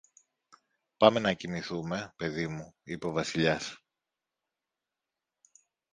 Πάμε να κοιμηθούμε, παιδί μου, είπε ο Βασιλιάς.